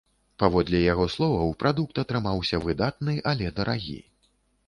Паводле яго словаў, прадукт атрымаўся выдатны, але дарагі.